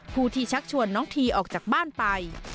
ผู้ที่ชักชวนน้องทีออกจากบ้านไป